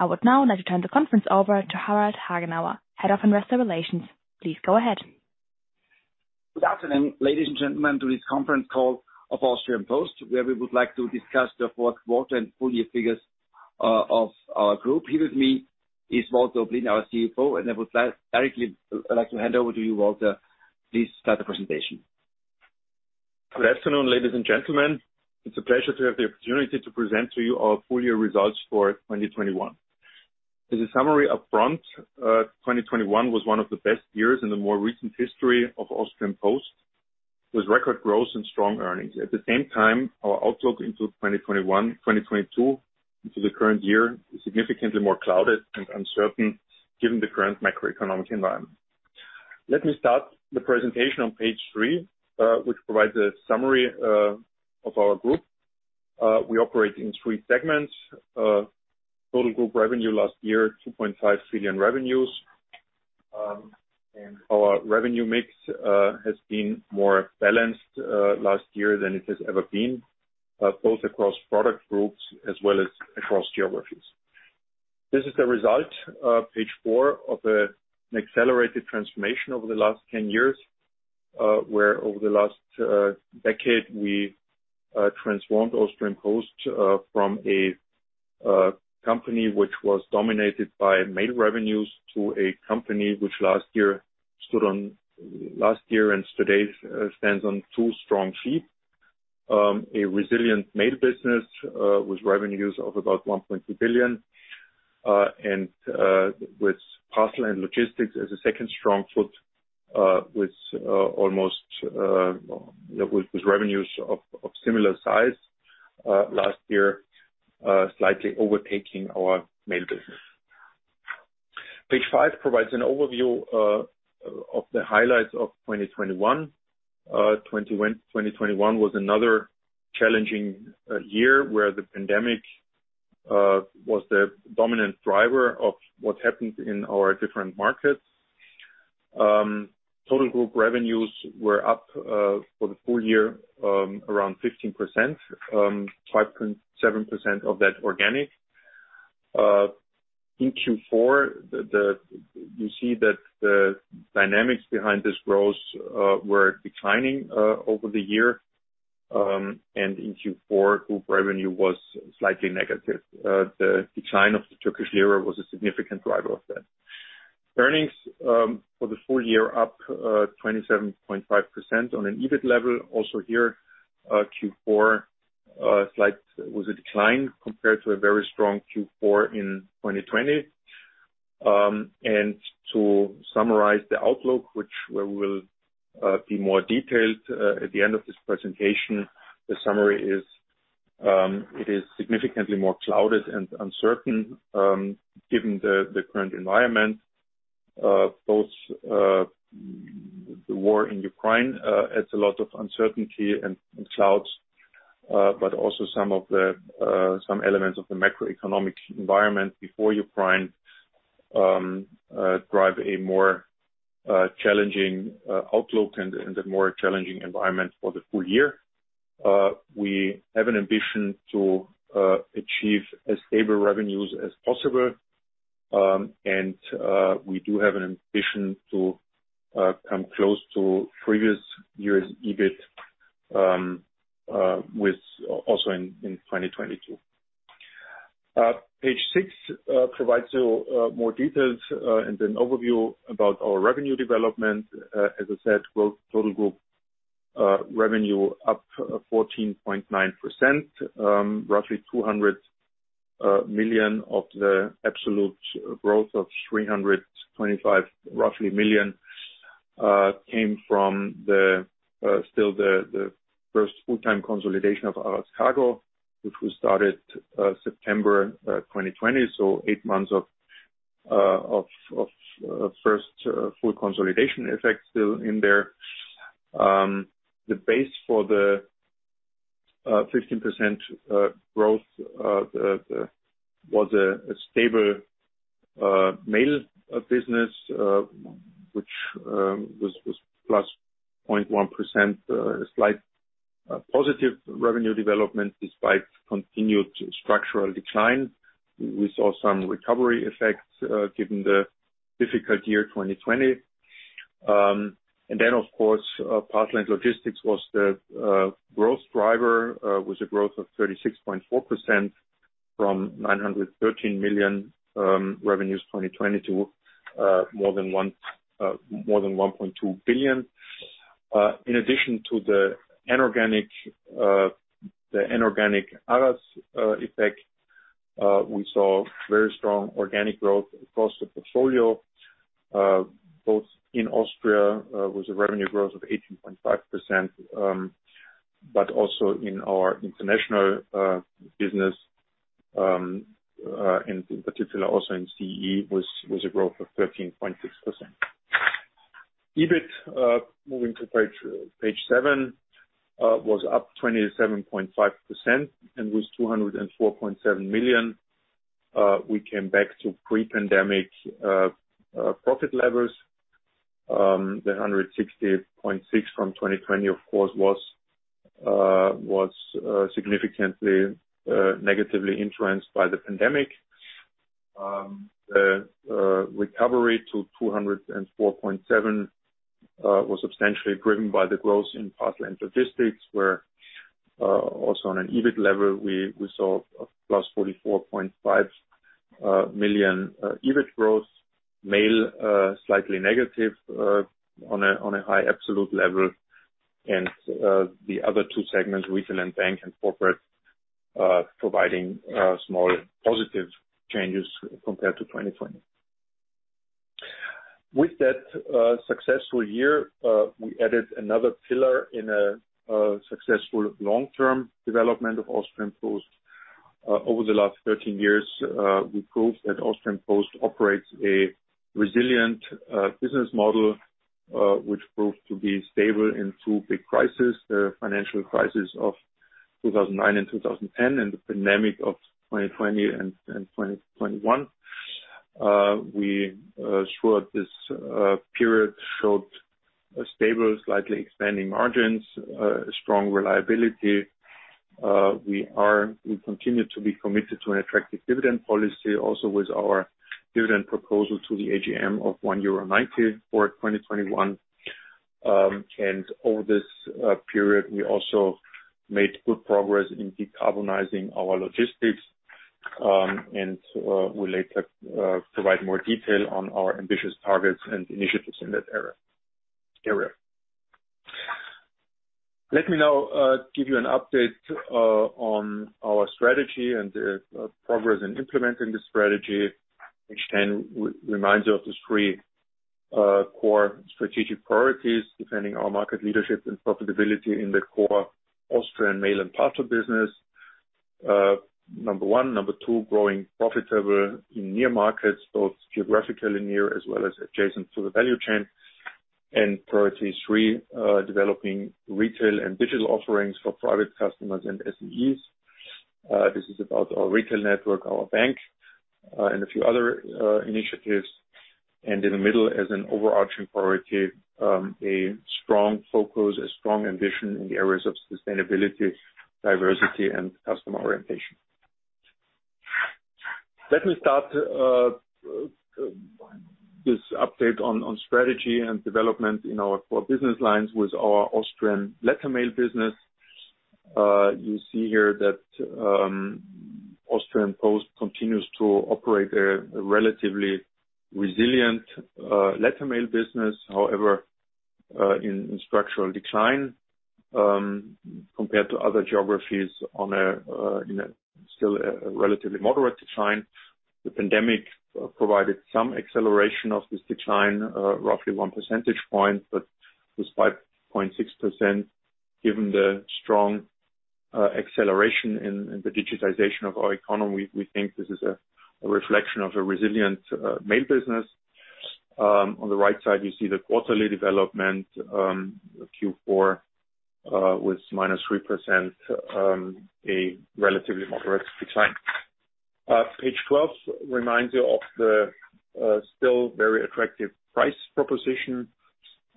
I would now like to turn the conference over to Harald Hagenauer, Head of Investor Relations. Please go ahead. Good afternoon, ladies and gentlemen, to this conference call of Österreichische Post, where we would like to discuss the fourth quarter and full year figures of our group. Here with me is Walter Oblin, our CFO, and I would like directly to hand over to you, Walter. Please start the presentation. Good afternoon, ladies and gentlemen. It's a pleasure to have the opportunity to present to you our full year results for 2021. As a summary upfront, 2021 was one of the best years in the more recent history of Österreichische Post, with record growth and strong earnings. At the same time, our outlook into 2021, 2022 into the current year is significantly more clouded and uncertain given the current macroeconomic environment. Let me start the presentation on page three, which provides a summary of our group. We operate in three segments. Total group revenue last year, 2.5 billion revenues. Our revenue mix has been more balanced last year than it has ever been, both across product groups as well as across geographies. This is the result, page 4, of an accelerated transformation over the last 10 years, where over the last decade, we transformed Österreichische Post from a company which was dominated by mail revenues to a company which last year and today stands on two strong feet. A resilient mail business with revenues of about 1.2 billion and with Parcel & Logistics as a second strong foot with almost revenues of similar size last year, slightly overtaking our mail business. Page 5 provides an overview of the highlights of 2021. 2021 was another challenging year where the pandemic was the dominant driver of what happened in our different markets. Total group revenues were up for the full year around 15%, 5.7% of that organic. In Q4, you see that the dynamics behind this growth were declining over the year, and in Q4, group revenue was slightly negative. The decline of the Turkish lira was a significant driver of that. Earnings for the full year up 27.5% on an EBIT level. Also here, Q4, there was a slight decline compared to a very strong Q4 in 2020. To summarize the outlook, which we will be more detailed at the end of this presentation, the summary is it is significantly more clouded and uncertain given the current environment. Both the war in Ukraine adds a lot of uncertainty and clouds, but also some elements of the macroeconomic environment before Ukraine drive a more challenging outlook and a more challenging environment for the full year. We have an ambition to achieve as stable revenues as possible, and we do have an ambition to come close to previous years' EBIT with also in 2022. Page six provides you more details and an overview about our revenue development. As I said, growth, total group revenue up 14.9%, roughly 200 million of the absolute growth of 325 million came from still the first full-time consolidation of Aras Kargo, which we started September 2020, so eight months of first full consolidation effect still in there. The base for the 15% growth was a stable mail business, which was plus 0.1%, slight positive revenue development despite continued structural decline. We saw some recovery effects given the difficult year 2020. Of course, Parcel and Logistics was the growth driver with a growth of 36.4% from 913 million revenues 2020 to more than 1.2 billion. In addition to the inorganic Aras effect, we saw very strong organic growth across the portfolio both in Austria with a revenue growth of 18.5%, but also in our international business, in particular also in CEE, was a growth of 13.6%. EBIT, moving to page seven, was up 27.5% and was 204.7 million. We came back to pre-pandemic profit levels. The 160.6 from 2020, of course, was significantly negatively influenced by the pandemic. The recovery to 204.7 was substantially driven by the growth in Parcel & Logistics, where also on an EBIT level, we saw a +44.5 million EBIT growth. Mail slightly negative on a high absolute level. The other two segments, Retail & Bank and Corporate, providing small positive changes compared to 2020. With that successful year, we added another pillar in a successful long-term development of Austrian Post. Over the last 13 years, we proved that Österreichische Post operates a resilient business model, which proved to be stable in two big crises, the financial crisis of 2009 and 2010, and the pandemic of 2020 and 2021. We, throughout this period, showed stable, slightly expanding margins, strong reliability. We continue to be committed to an attractive dividend policy, also with our dividend proposal to the AGM of 1.90 euro for 2021. Over this period, we also made good progress in decarbonizing our logistics. We'll later provide more detail on our ambitious targets and initiatives in that area. Let me now give you an update on our strategy and the progress in implementing the strategy, which then reminds you of the three core strategic priorities, defending our market leadership and profitability in the core Austrian mail and parcel business, number one. number two, growing profitable in near markets, both geographically near as well as adjacent to the value chain. Priority 3, developing retail and digital offerings for private customers and SMEs. This is about our retail network, our bank, and a few other initiatives. In the middle, as an overarching priority, a strong focus, a strong ambition in the areas of sustainability, diversity, and customer orientation. Let me start this update on strategy and development in our four business lines with our Austrian Letter Mail business. You see here that Österreichische Post continues to operate a relatively resilient Letter Mail business. However, in structural decline compared to other geographies, still a relatively moderate decline. The pandemic provided some acceleration of this decline, roughly one percentage point, but with 5.6%, given the strong acceleration in the digitization of our economy, we think this is a reflection of a resilient mail business. On the right side, you see the quarterly development, Q4, with -3%, a relatively moderate decline. Page 12 reminds you of the still very attractive price proposition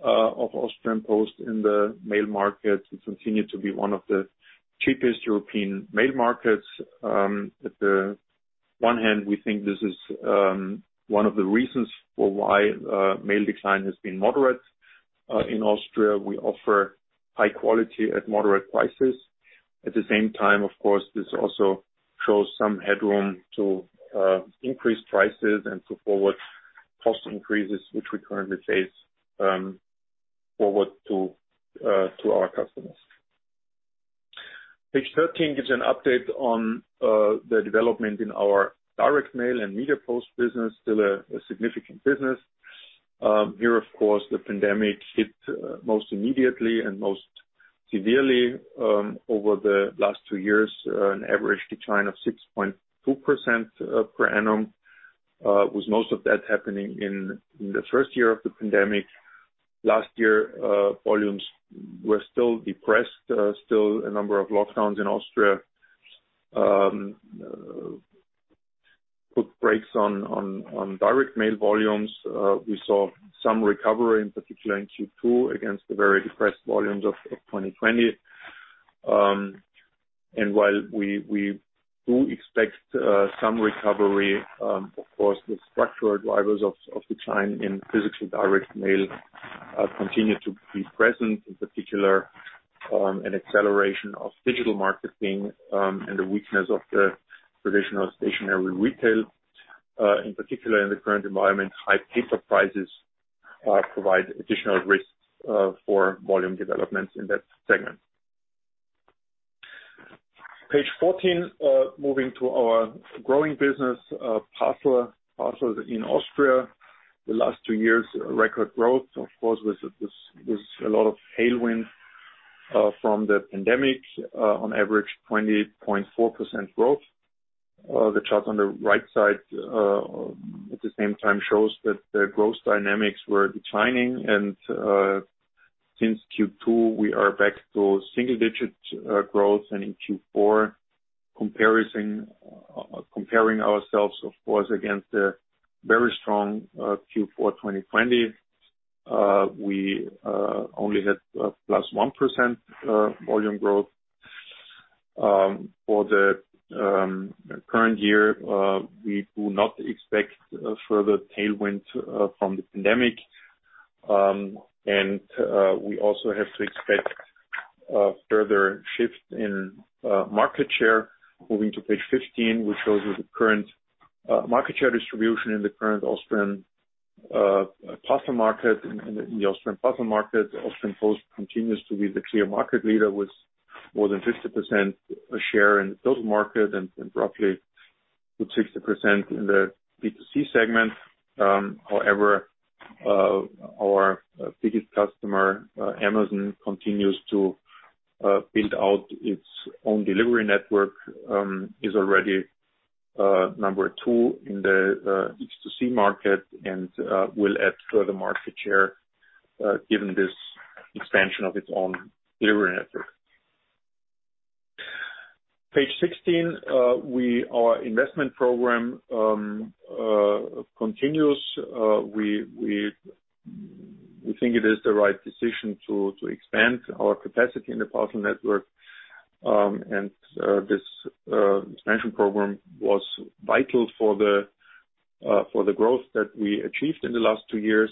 of Österreichische Post in the mail market. We continue to be one of the cheapest European mail markets. On the one hand, we think this is one of the reasons for why mail decline has been moderate in Austria. We offer high quality at moderate prices. At the same time, of course, this also shows some headroom to increase prices and to forward cost increases, which we currently face, forward to our customers. Page 13 gives an update on the development in our Direct Mail and MEDIAPOST business, still a significant business. Here, of course, the pandemic hit most immediately and most severely over the last two years, an average decline of 6.2% per annum, with most of that happening in the first year of the pandemic. Last year, volumes were still depressed. Still a number of lockdowns in Austria put brakes on Direct Mail volumes. We saw some recovery, in particular in Q2, against the very depressed volumes of 2020. While we do expect some recovery, of course, the structural drivers of decline in physical Direct Mail continue to be present, in particular, an acceleration of digital marketing and the weakness of the traditional stationary retail. In particular, in the current environment, high paper prices provide additional risks for volume developments in that segment. Page 14, moving to our growing business, parcels in Austria. The last two years, record growth. Of course, with this a lot of tailwind from the pandemic. On average, 20.4% growth. The chart on the right side, at the same time, shows that the growth dynamics were declining and since Q2, we are back to single digit growth and in Q4 comparison, comparing ourselves, of course, against a very strong Q4 2020. We only had +1% volume growth. For the current year, we do not expect a further tailwind from the pandemic. We also have to expect further shifts in market share. Moving to page 15, which shows you the current market share distribution in the current Austrian parcel market. In the Austrian parcel market, Austrian Post continues to be the clear market leader with more than 50% of share in the total market and roughly with 60% in the B2C segment. However, our biggest customer, Amazon, continues to build out its own delivery network. It is already number two in the B2C market and will add further market share given this expansion of its own delivery network. Page 16, our investment program continues. We think it is the right decision to expand our capacity in the parcel network. This expansion program was vital for the growth that we achieved in the last two years.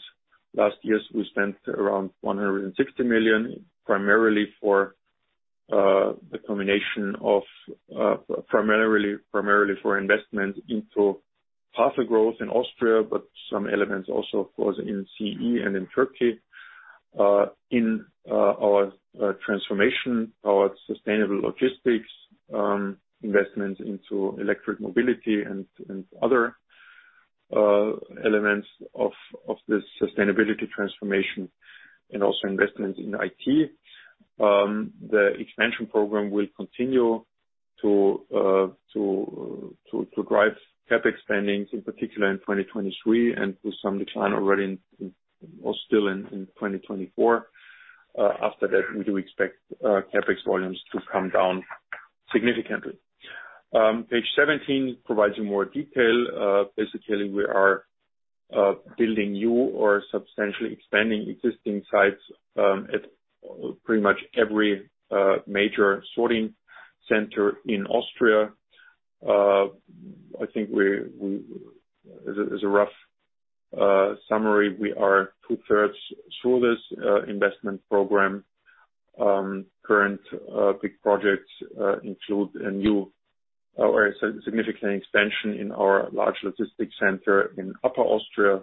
We spent around 160 million, primarily for investment into parcel growth in Austria, but some elements also, of course, in CEE and in Turkey. In our transformation, our sustainable logistics investments into electric mobility and other elements of this sustainability transformation, and also investments in IT. The expansion program will continue to drive CapEx spending, in particular in 2023 and to some decline already in, or still in, 2024. After that, we do expect CapEx volumes to come down significantly. Page 17 provides you more detail. Basically, we are building new or substantially expanding existing sites at pretty much every major sorting center in Austria. I think we, as a rough summary, we are two-thirds through this investment program. Current big projects include a new or significant expansion in our large logistics center in Upper Austria,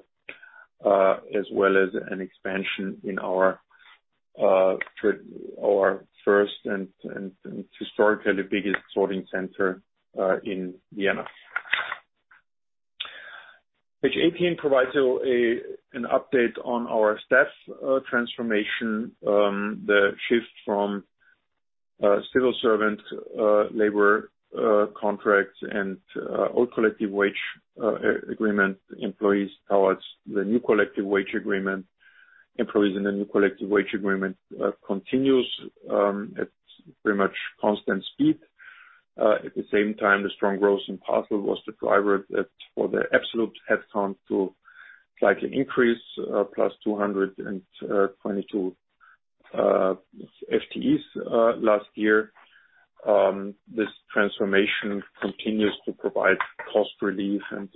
as well as an expansion in our first and historically biggest sorting center in Vienna. Page 18 provides you an update on our staff transformation. The shift from civil servant labor contracts and old collective wage agreement employees towards the new collective wage agreement employees continues at pretty much constant speed. At the same time, the strong growth in parcel was the driver for the absolute headcount to slightly increase +222 FTEs last year. This transformation continues to provide cost relief and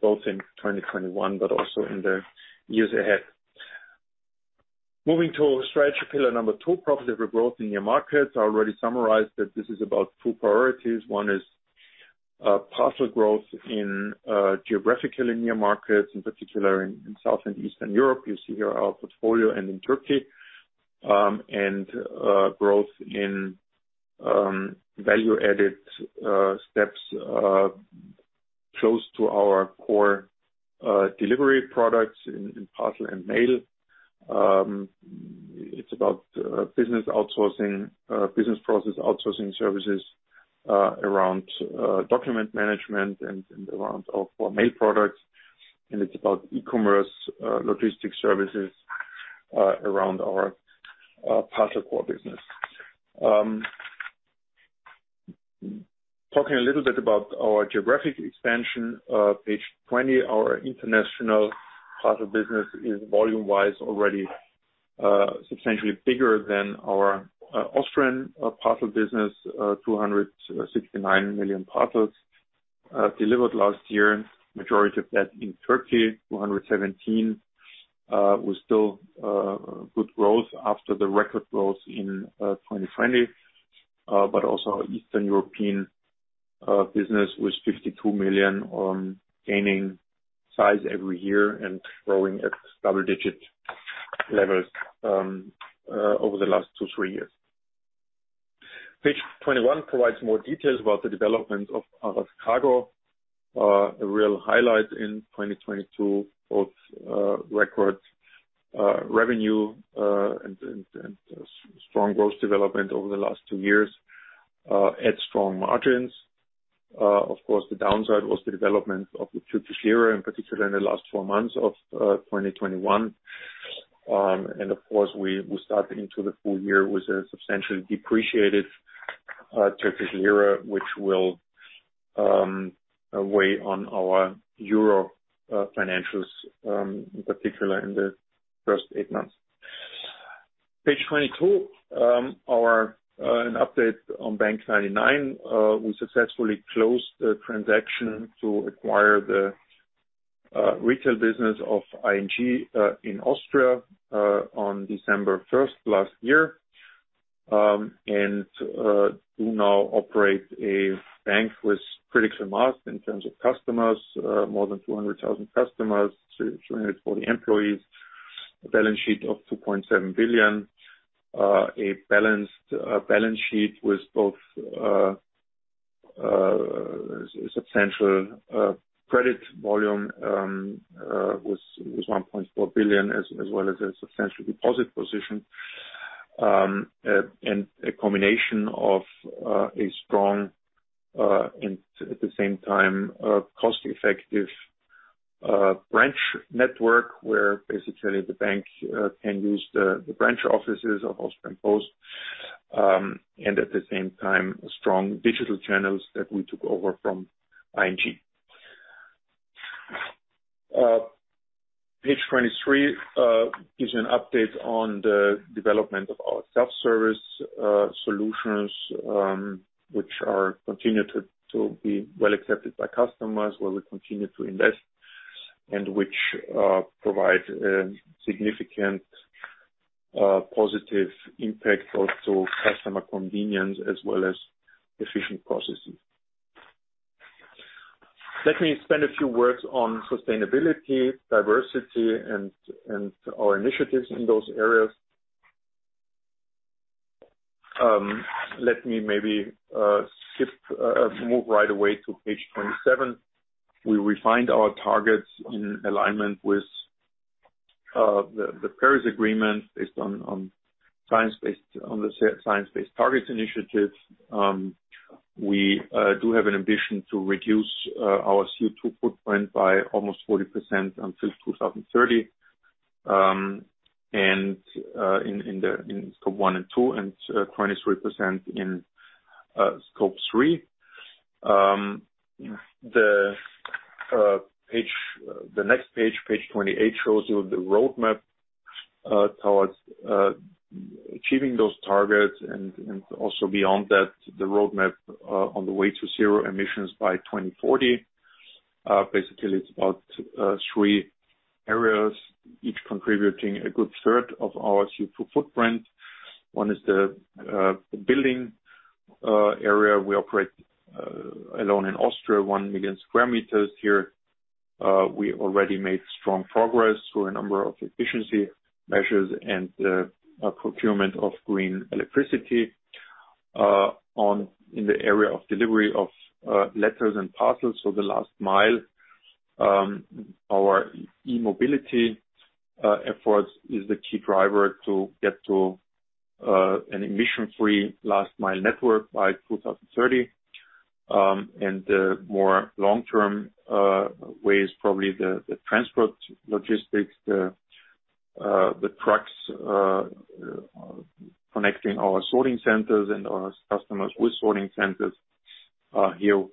both in 2021, but also in the years ahead. Moving to strategy pillar 2, profitable growth in near markets. I already summarized that this is about two priorities. One is parcel growth in geographical near markets, in particular in South and Eastern Europe. You see here our portfolio and in Turkey. Growth in value-added steps close to our core delivery products in parcel and mail. It's about business outsourcing, business process outsourcing services around document management and around our mail products. It's about e-commerce logistics services around our parcel core business. Talking a little bit about our geographic expansion, page 20, our international parcel business is volume-wise already substantially bigger than our Austrian parcel business. 269 million parcels delivered last year. Majority of that in Turkey, 217 million. There was still good growth after the record growth in 2020. Also eastern European business with 52 million ongoing gaining size every year and growing at double-digit levels over the last two, three years. Page 21 provides more details about the development of Aras Kargo. A real highlight in 2022, both record revenue and strong growth development over the last two years at strong margins. Of course, the downside was the development of the Turkish lira, in particular in the last four months of 2021. Of course, we start into the full year with a substantially depreciated Turkish lira, which will weigh on our euro financials, in particular in the first eight months. Page 22, an update on bank99. We successfully closed the transaction to acquire the retail business of ING in Austria on December 1 last year. We now operate a bank with critical mass in terms of customers, more than 200,000 customers, 240 employees, a balance sheet of 2.7 billion, a balanced balance sheet with both substantial credit volume with 1.4 billion, as well as a substantial deposit position, and a combination of a strong and at the same time a cost-effective branch network, where basically the bank can use the branch offices of Österreichische Post, and at the same time, strong digital channels that we took over from ING. Page 23 gives you an update on the development of our self-service solutions, which continue to be well accepted by customers, where we continue to invest and which provide significant positive impact also customer convenience as well as efficient processes. Let me spend a few words on sustainability, diversity, and our initiatives in those areas. Let me maybe move right away to page 27, where we find our targets in alignment with the Paris Agreement based on the Science Based Targets initiative. We do have an ambition to reduce our CO2 footprint by almost 40% until 2030 in scope 1 and 2, and 23% in scope 3. The next page 28, shows you the roadmap towards achieving those targets and also beyond that, the roadmap on the way to zero emissions by 2040. Basically, it's about three areas, each contributing a good third of our CO2 footprint. One is the building area. We operate alone in Austria, one million sq m here. We already made strong progress through a number of efficiency measures and procurement of green electricity in the area of delivery of letters and parcels for the last mile. Our e-mobility efforts is the key driver to get to an emission-free last mile network by 2030. The more long-term way is probably the transport logistics, the trucks connecting our sorting centers and our customers with sorting centers. Here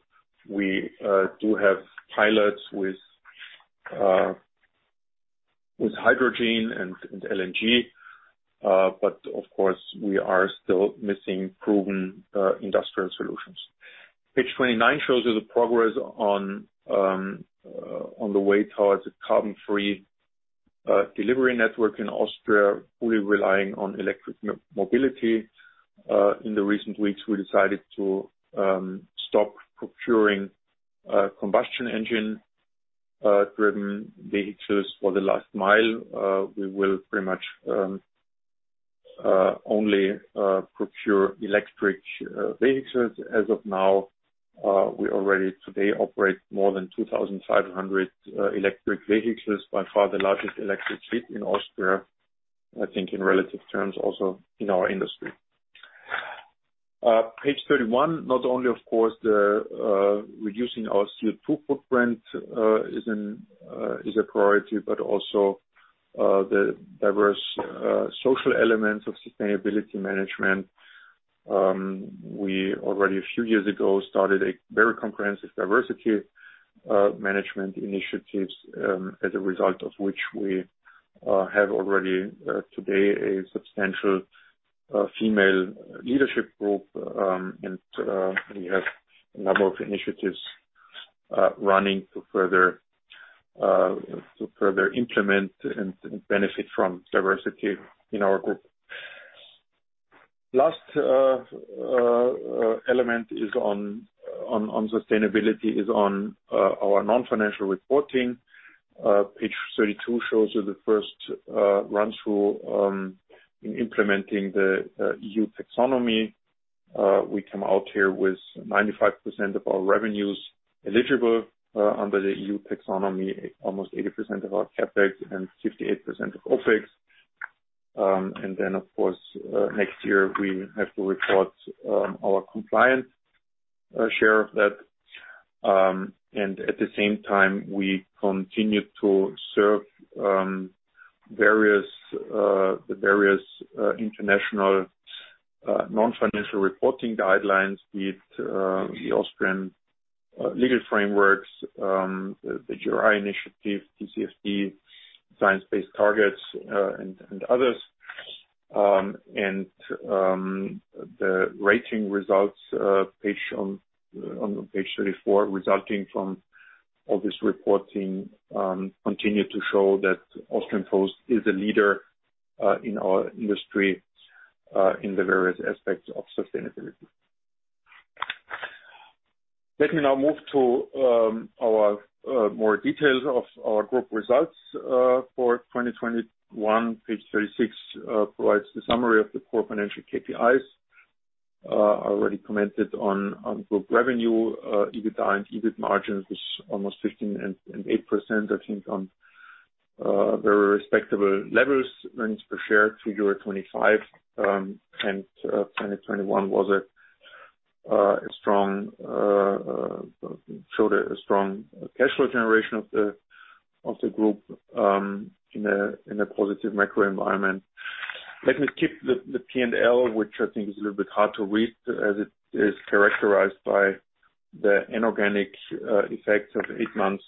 we do have pilots with hydrogen and LNG, but of course we are still missing proven industrial solutions. Page 29 shows you the progress on the way towards a carbon-free delivery network in Austria, fully relying on electric mobility. In the recent weeks, we decided to stop procuring combustion engine driven vehicles for the last mile. We will pretty much only procure electric vehicles. As of now, we already today operate more than 2,500 electric vehicles, by far the largest electric fleet in Austria, I think in relative terms also in our industry. Page 31, not only of course the reducing our CO2 footprint is a priority, but also the diverse social elements of sustainability management. We already a few years ago started a very comprehensive diversity management initiatives, as a result of which we have already today a substantial female leadership group, and we have a number of initiatives running to further implement and benefit from diversity in our group. Last element on sustainability is our non-financial reporting. Page 32 shows you the first run through in implementing the EU taxonomy. We come out here with 95% of our revenues eligible under the EU taxonomy, almost 80% of our CapEx and 58% of our OpEx. Then of course, next year we have to report our compliance share of that. At the same time, we continue to serve various international non-financial reporting guidelines with the Austrian legal frameworks, the GRI initiative, TCFD, Science Based Targets initiative, and others. The rating results page on page 34, resulting from all this reporting, continue to show that Austrian Post is a leader in our industry in the various aspects of sustainability. Let me now move to our more details of our group results for 2021. Page 36 provides the summary of the core financial KPIs. I already commented on group revenue, EBITDA and EBIT margins was almost 15 and 8%, I think, on very respectable levels. Earnings per share figure 25, and 2021 showed a strong cash flow generation of the group in a positive macro environment. Let me skip the P&L, which I think is a little bit hard to read as it is characterized by the inorganic effects of 8 months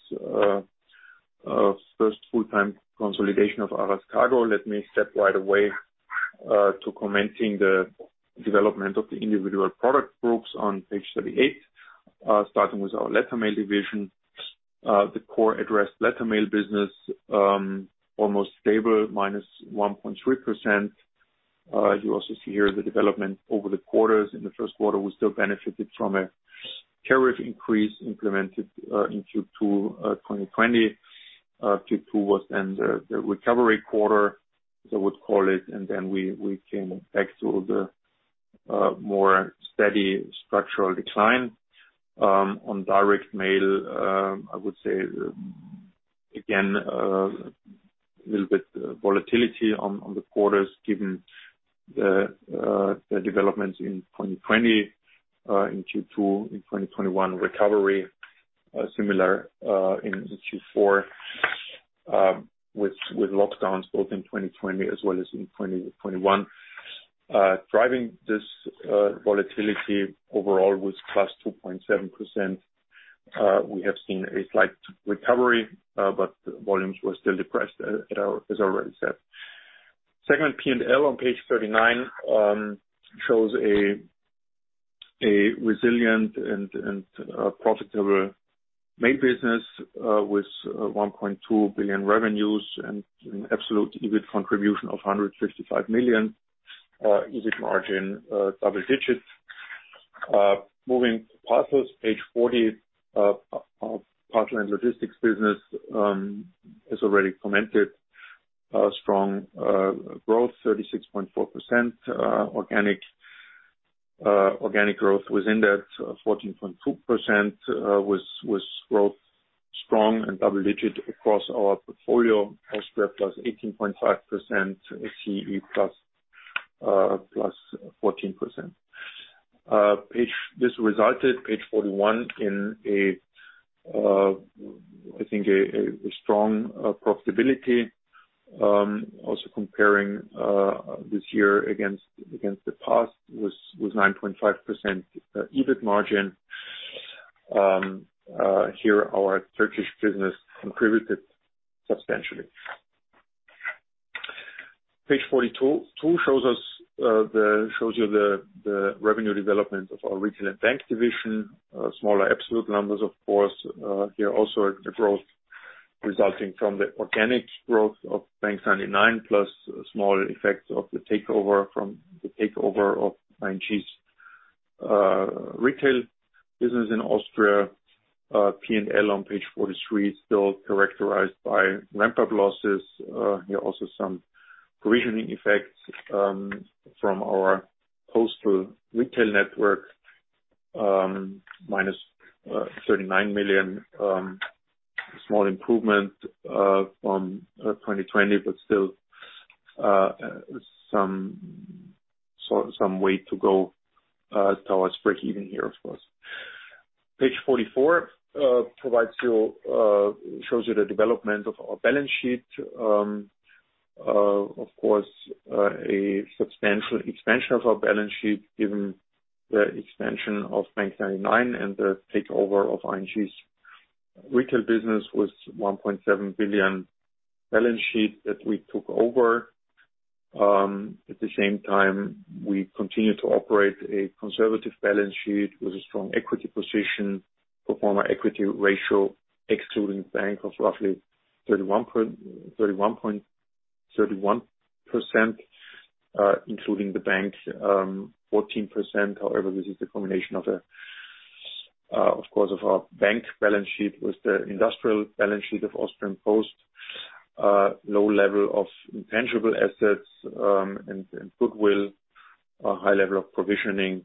first full-time consolidation of Aras Kargo. Let me step right away to commenting the development of the individual product groups on page 38. Starting with our Letter Mail division. The core addressed Letter Mail business almost stable, minus 1.3%. You also see here the development over the quarters. In the first quarter, we still benefited from a tariff increase implemented in Q2, 2020. Q2 was then the recovery quarter, as I would call it, and then we came back to the more steady structural decline. On Direct Mail, I would say, again, a little bit volatility on the quarters given the developments in 2020, in Q2. In 2021, recovery similar in the Q4, with lockdowns both in 2020 as well as in 2021. Driving this volatility overall was +2.7%. We have seen a slight recovery, but volumes were still depressed, as I already said. Segment P&L on page 39 shows a resilient and profitable main business with 1.2 billion revenues and an absolute EBIT contribution of 155 million. EBIT margin double digits. Moving to Parcels, page 40. Our Parcel & Logistics business, as already commented, strong growth 36.4%. Organic growth was 14.2%. Growth was strong and double digit across our portfolio. Austria +18.5%. CEE +14%. This resulted, page 41, in I think a strong profitability. Also comparing this year against the past was 9.5% EBIT margin. Here our Turkish business contributed substantially. Page 42 shows you the revenue development of our Retail and Bank division. Smaller absolute numbers of course. Here also the growth resulting from the organic growth of bank99, plus small effects of the takeover of ING's retail business in Austria. P&L on page 43 is still characterized by ramp-up losses. Here also some provisioning effects from our postal retail network, minus 39 million. Small improvement from 2020, but still some way to go towards breakeven here, of course. Page 44 shows you the development of our balance sheet. Of course, a substantial expansion of our balance sheet given the expansion of bank99 and the takeover of ING's retail business with 1.7 billion balance sheet that we took over. At the same time, we continue to operate a conservative balance sheet with a strong equity position for former equity ratio, excluding bank99 of roughly 31%, including the bank, 14%. However, this is the combination of a, of course, our bank balance sheet with the industrial balance sheet of Österreichische Post. Low level of intangible assets, and goodwill. A high level of provisioning,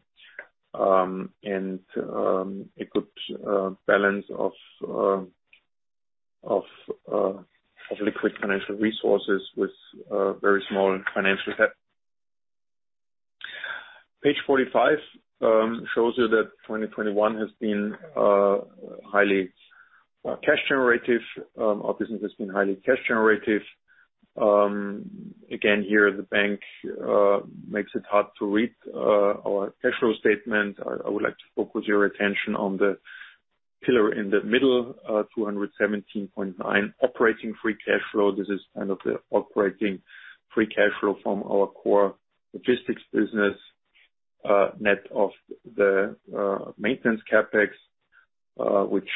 and a good balance of liquid financial resources with very small financial debt. Page 45 shows you that 2021 has been highly cash generative. Our business has been highly cash generative. Again, here the bank makes it hard to read our cash flow statement. I would like to focus your attention on the pillar in the middle, 217.9 million. Operating free cash flow, this is kind of the operating free cash flow from our core logistics business, net of the maintenance CapEx, which,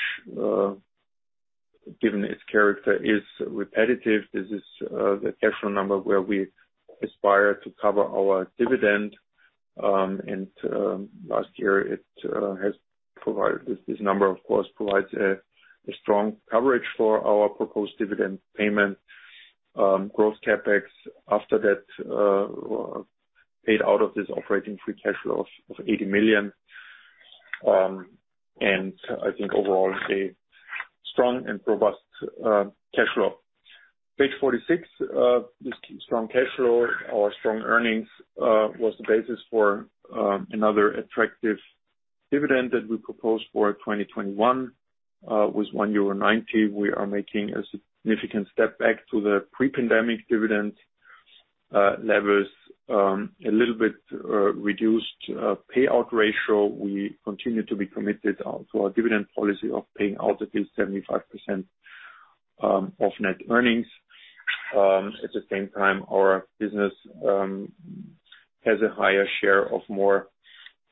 given its character, is repetitive. This is the cash flow number where we aspire to cover our dividend, and last year it has provided this. This number of course provides a strong coverage for our proposed dividend payment. Growth CapEx after that, paid out of this operating free cash flow of 80 million, and I think overall a strong and robust cash flow. Page 46, this strong cash flow or strong earnings was the basis for another attractive dividend that we proposed for 2021, was 1.90. We are making a significant step back to the pre-pandemic dividend levels with a little bit reduced payout ratio. We continue to be committed to our dividend policy of paying out at least 75% of net earnings. At the same time, our business has a higher share of more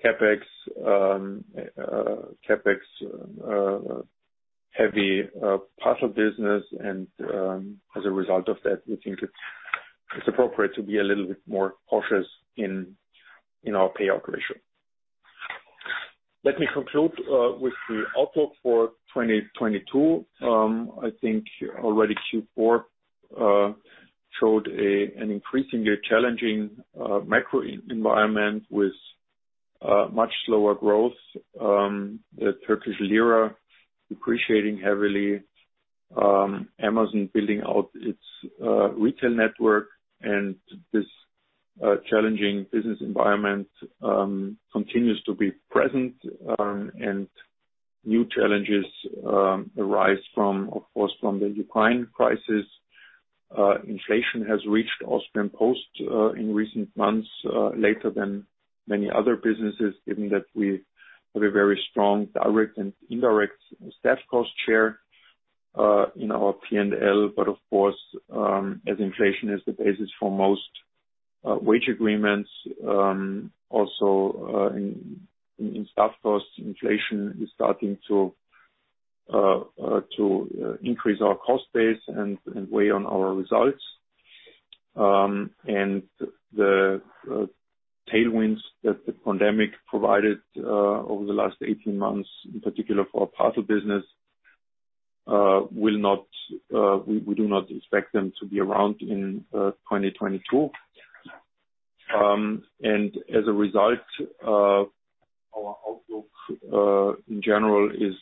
CapEx-heavy parcel business and, as a result of that, we think it's appropriate to be a little bit more cautious in our payout ratio. Let me conclude with the outlook for 2022. I think already Q4 showed an increasingly challenging macro environment with much slower growth. The Turkish lira depreciating heavily, Amazon building out its retail network and this challenging business environment continues to be present, and new challenges arise from, of course, the Ukraine crisis. Inflation has reached Österreichische Post AG in recent months, later than many other businesses, given that we have a very strong direct and indirect staff cost share in our P&L. Of course, as inflation is the basis for most wage agreements, also in staff costs, inflation is starting to increase our cost base and weigh on our results. The tailwinds that the pandemic provided over the last 18 months, in particular for our parcel business, we do not expect to be around in 2022. As a result, our outlook in general is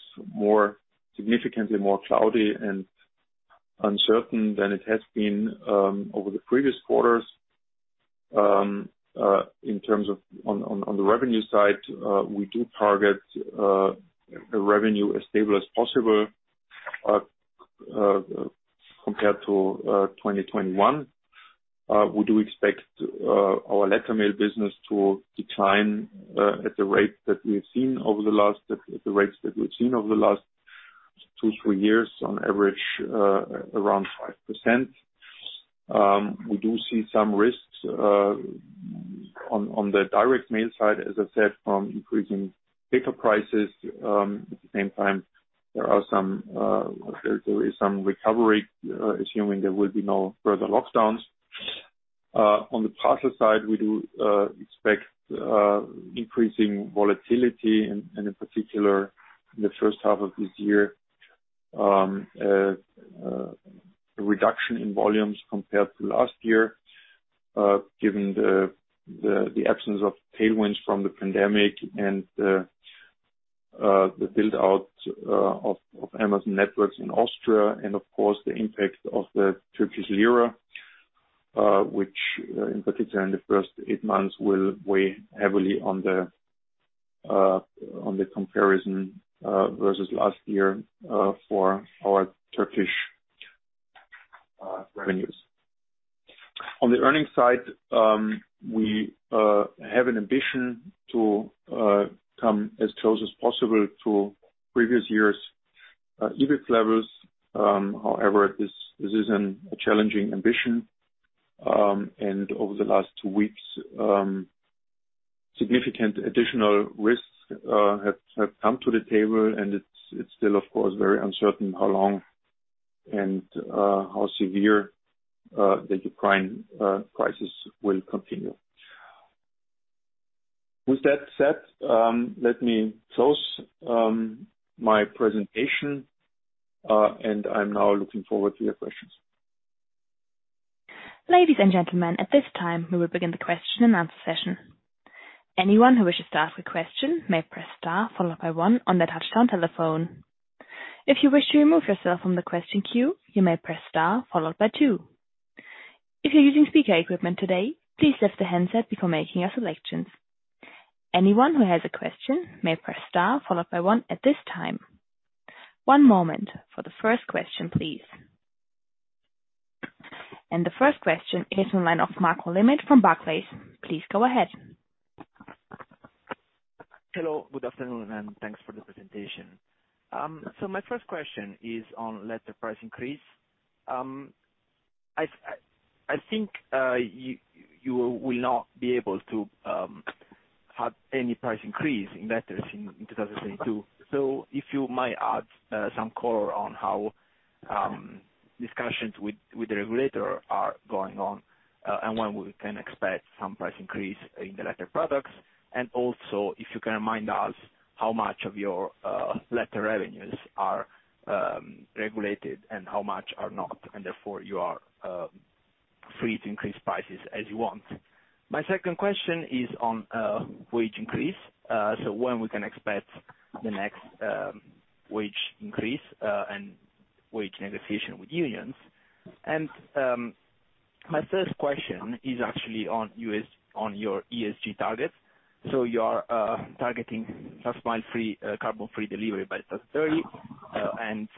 significantly more cloudy and uncertain than it has been over the previous quarters. In terms of the revenue side, we do target a revenue as stable as possible compared to 2021. We do expect our Letter Mail business to decline at the rates that we've seen over the last 2, 3 years, on average, around 5%. We do see some risks on the Direct Mail side, as I said, from increasing paper prices. At the same time, there is some recovery, assuming there will be no further lockdowns. On the parcel side, we do expect increasing volatility and in particular in the first half of this year, a reduction in volumes compared to last year, given the absence of tailwinds from the pandemic and the build out of Amazon networks in Austria and of course, the impact of the Turkish lira, which in particular in the first eight months, will weigh heavily on the comparison versus last year for our Turkish revenues. On the earnings side, we have an ambition to come as close as possible to previous years' EBIT levels. However, this is a challenging ambition, and over the last two weeks, significant additional risks have come to the table and it's still of course very uncertain how long and how severe the Ukraine crisis will continue. With that said, let me close my presentation and I'm now looking forward to your questions. Ladies and gentlemen, at this time, we will begin the question and answer session. Anyone who wishes to ask a question may press star followed by one on their touchtone telephone. If you wish to remove yourself from the question queue, you may press star followed by two. If you're using speaker equipment today, please lift the handset before making your selections. Anyone who has a question may press star followed by one at this time. One moment for the first question, please. The first question is from the line of Marco Limite from Barclays. Please go ahead. Hello. Good afternoon, and thanks for the presentation. My first question is on letter price increase. I think you will not be able to have any price increase in letters in 2022. If you might add some color on how discussions with the regulator are going on, and when we can expect some price increase in the letter products, and also if you can remind us how much of your letter revenues are regulated and how much are not, and therefore you are free to increase prices as you want. My second question is on wage increase. When we can expect the next wage increase and wage negotiation with unions. My third question is actually on your ESG target. You are targeting last-mile carbon-free delivery by 2030 and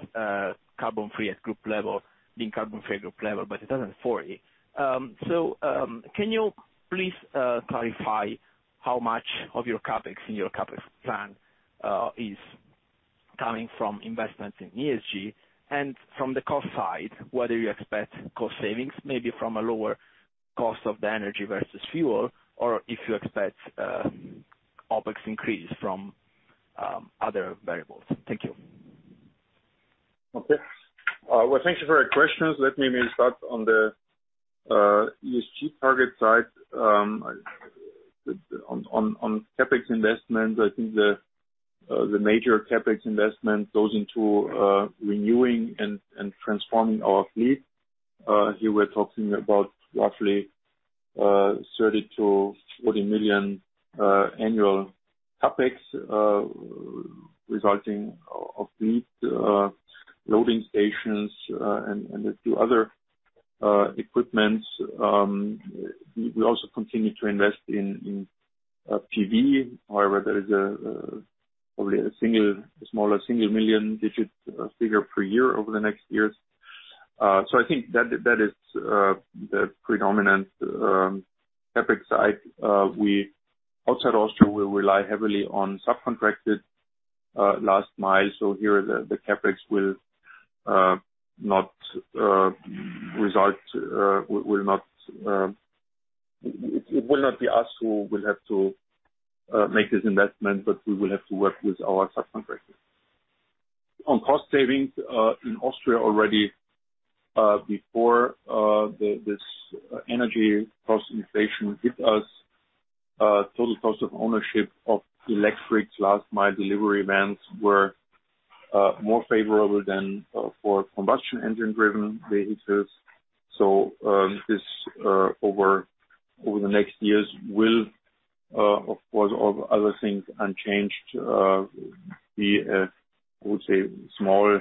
carbon-free at group level by 2040. Can you please clarify how much of your CapEx in your CapEx plan is coming from investments in ESG? From the cost side, whether you expect cost savings, maybe from a lower cost of the energy versus fuel, or if you expect OpEx increase from other variables. Thank you. Okay. Thank you for your questions. Let me maybe start on the ESG target side. On CapEx investments, I think the major CapEx investment goes into renewing and transforming our fleet. Here we're talking about roughly 30-40 million annual CapEx resulting of these loading stations and a few other equipments. We also continue to invest in PV. However, there is probably a smaller single-digit million figure per year over the next years. So I think that is the predominant CapEx side. Outside Austria, we rely heavily on subcontracted last mile. Here the CapEx will not. It will not be us who will have to make this investment, but we will have to work with our subcontractors. On cost savings in Austria already before this energy cost inflation hit us, total cost of ownership of electric last mile delivery vehicles were more favorable than for combustion engine-driven vehicles. This, over the next years, will of course, all other things unchanged, be, I would say, small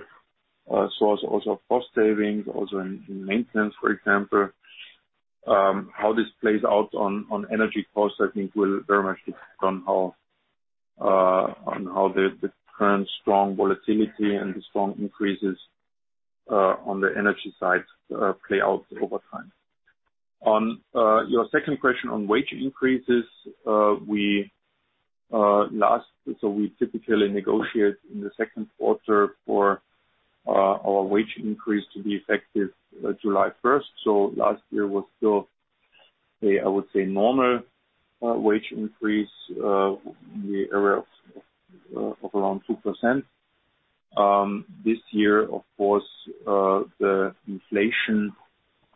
source also of cost savings, also in maintenance, for example. How this plays out on energy costs, I think, will very much depend on how the current strong volatility and the strong increases on the energy side play out over time. On your second question on wage increases, we typically negotiate in the second quarter for our wage increase to be effective July first. Last year was still, I would say, normal wage increase in the area of around 2%. This year, of course, the inflation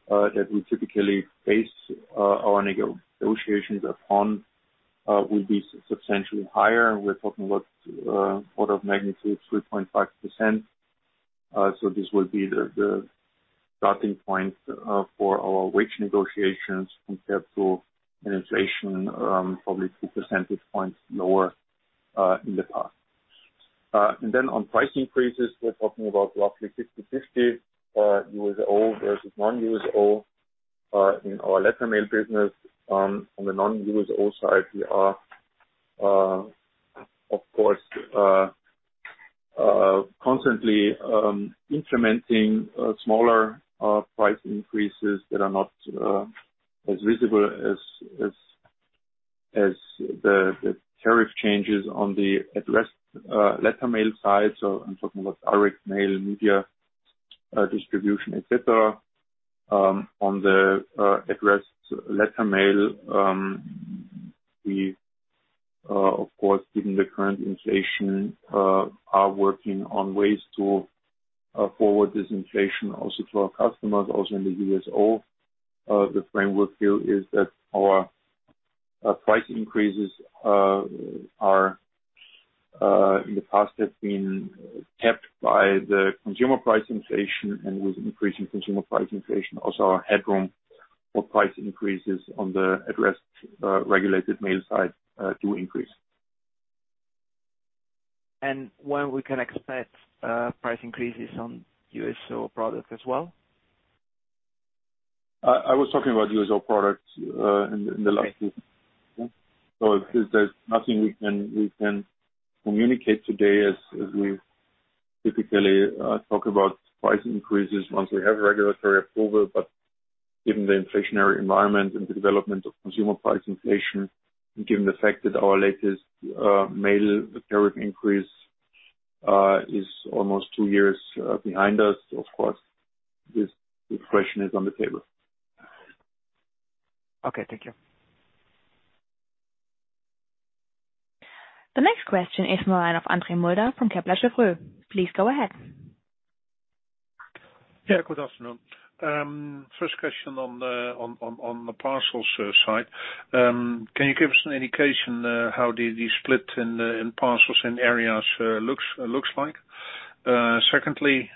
that we typically base our negotiations upon will be substantially higher. We're talking about order of magnitude 3.5%. This will be the starting point for our wage negotiations compared to inflation, probably two percentage points lower in the past. On price increases, we're talking about roughly 50/50, USO versus non-USO, in our Letter Mail business. On the non-USO side, we are of course constantly implementing smaller price increases that are not as visible as the tariff changes on the addressed letter mail side. I'm talking about direct mail, media distribution, etc. On the addressed letter mail, we of course, given the current inflation, are working on ways to forward this inflation also to our customers, also in the USO. The framework here is that our price increases in the past have been kept by the consumer price inflation and with increasing consumer price inflation, also our headroom for price increases on the addressed regulated mail side to increase. When can we expect price increases on USO product as well? I was talking about USO products in the last few. Okay. There's nothing we can communicate today as we typically talk about price increases once we have regulatory approval. Given the inflationary environment and the development of consumer price inflation, and given the fact that our latest mail tariff increase is almost two years behind us, of course this question is on the table. Okay, thank you. The next question is from the line of Andre Mulder from Kepler Cheuvreux. Please go ahead. Yeah, good afternoon. First question on the parcels side. Can you give us an indication how the split in parcels in areas looks like? Secondly,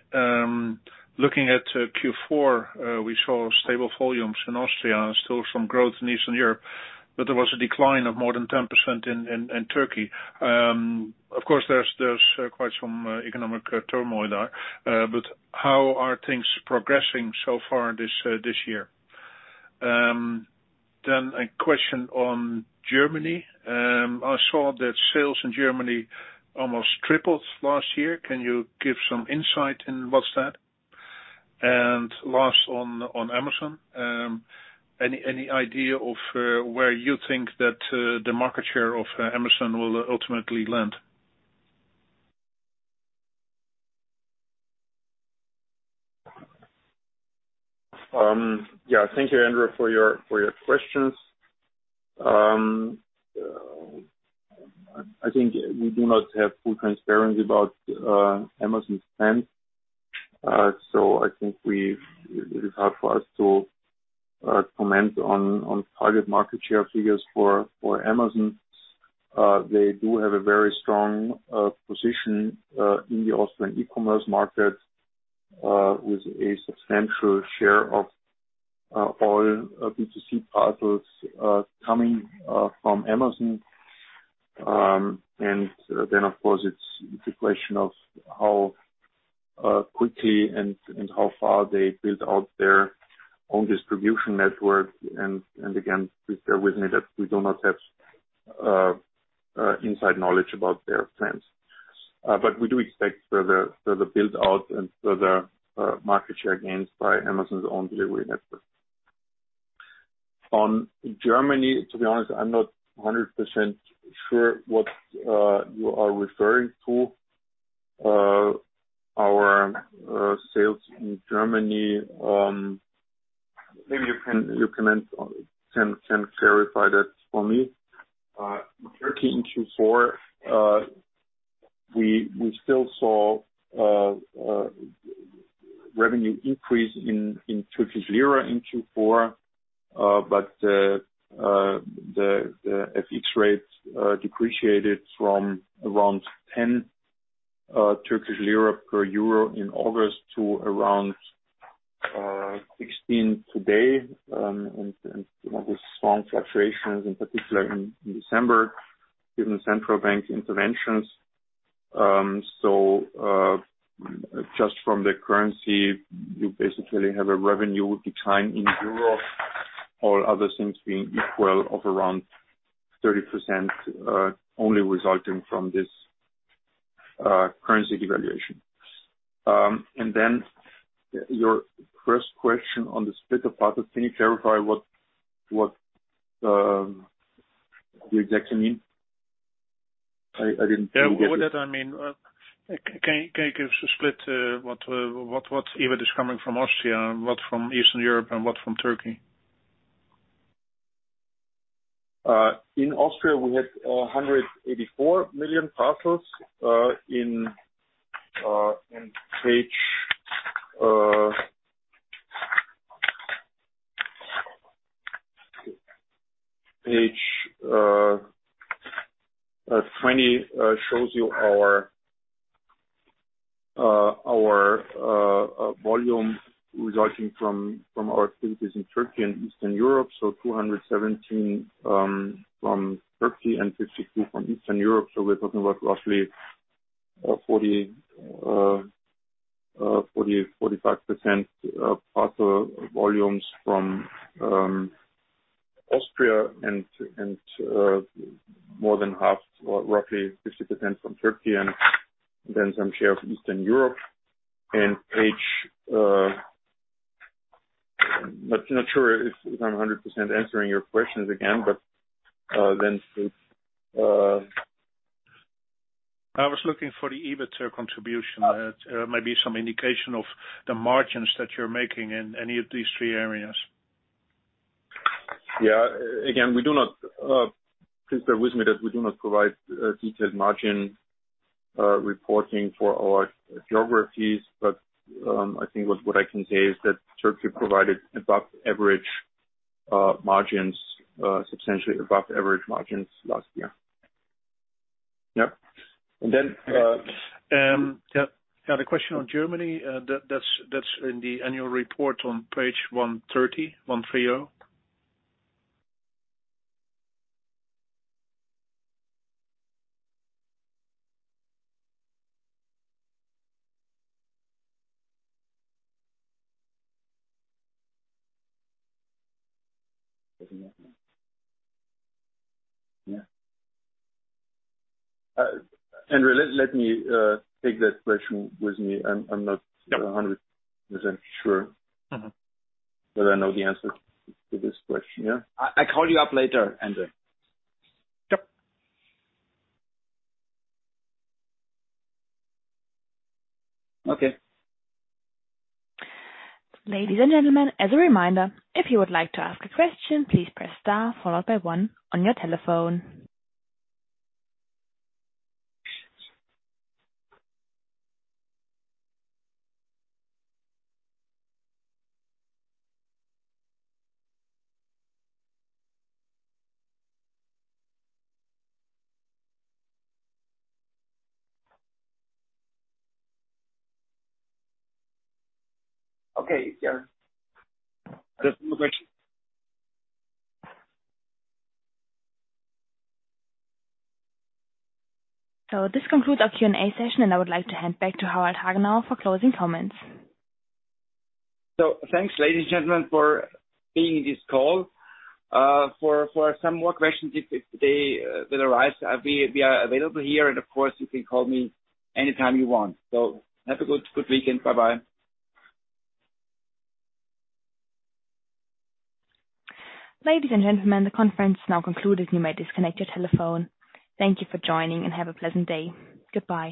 looking at Q4, we saw stable volumes in Austria and still some growth in Eastern Europe, but there was a decline of more than 10% in Turkey. Of course, there's quite some economic turmoil there, but how are things progressing so far this year? A question on Germany. I saw that sales in Germany almost tripled last year. Can you give some insight in what's that? And last, on Amazon, any idea of where you think that the market share of Amazon will ultimately land? Yeah, thank you, Andre, for your questions. I think we do not have full transparency about Amazon's plans. I think it is hard for us to comment on target market share figures for Amazon. They do have a very strong position in the Austrian e-commerce market with a substantial share of all B2C parcels coming from Amazon. Of course, it's a question of how quickly and how far they build out their own distribution network. Again, please bear with me that we do not have inside knowledge about their plans. We do expect further build out and further market share gains by Amazon's own delivery network. On Germany, to be honest, I'm not 100% sure what you are referring to. Our sales in Germany, maybe you can clarify that for me. Turkey in Q4, we still saw revenue increase in Turkish lira in Q4. The FX rates depreciated from around 10 Turkish lira per euro in August to around 16 today, with strong fluctuations, in particular in December, given central bank interventions. Just from the currency, you basically have a revenue decline in Europe, all other things being equal, of around 30% only resulting from this currency devaluation. Your first question on the split of parcels. Can you clarify what you exactly mean? I didn't completely get it. Yeah. With that I mean, can you give us a split, what EBIT is coming from Austria and what from Eastern Europe and what from Turkey? In Austria we had 184 million parcels on page 20 shows you our volume resulting from our activities in Turkey and Eastern Europe. 217 from Turkey and 52 from Eastern Europe. We're talking about roughly 45% parcel volumes from Austria and more than half or roughly 50% from Turkey, and then some share from Eastern Europe. I'm not sure if I'm 100% answering your questions again. Then please I was looking for the EBIT contribution. Maybe some indication of the margins that you're making in any of these three areas. Yeah. Again, please bear with me that we do not provide detailed margin reporting for our geographies. I think what I can say is that Turkey provided above average margins, substantially above average margins last year. Yep. And then, uh- Yeah, the question on Germany, that's in the annual report on page 130. Andre, let me take that question with me. I'm not 100% sure Whether I know the answer to this question, yeah. I call you up later, Andre. Yep. Okay. Ladies and gentlemen, as a reminder, if you would like to ask a question, please press star followed by one on your telephone. Okay, Karen. There's no more questions. This concludes our Q&A session, and I would like to hand back to Harald Hagenauer for closing comments. Thanks, ladies and gentlemen, for being in this call. For some more questions if they will arise, we are available here and of course, you can call me anytime you want. Have a good weekend. Bye-bye. Ladies and gentlemen, the conference is now concluded. You may disconnect your telephone. Thank you for joining, and have a pleasant day. Goodbye.